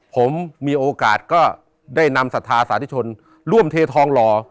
ผมมีโอกาสก็ได้นำศรัทธาสาธุชนร่วมเททองหล่อ